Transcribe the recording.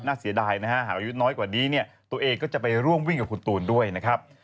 เสียดายนะฮะหากอายุน้อยกว่านี้เนี่ยตัวเองก็จะไปร่วมวิ่งกับคุณตูนด้วยนะครับ